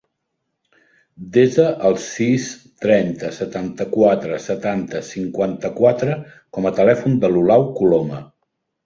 Desa el sis, trenta, setanta-quatre, setanta, cinquanta-quatre com a telèfon de l'Olau Coloma.